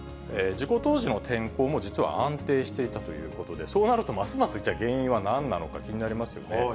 事故当時の天候も実は安定していたということで、そうなるとますます、じゃあ原因はなんなのか、気になりますよね。